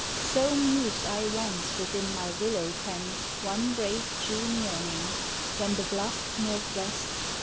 So mused I once within my willow tent One brave June morning, when the bluff northwest, UNDER THE WILLOWS.